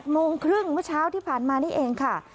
โมงครึ่งเมื่อเช้าที่ผ่านมานี่เองค่ะ